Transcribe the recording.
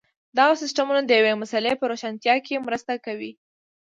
دغه سیسټمونه د یوې مسئلې په روښانتیا کې مرسته کوي.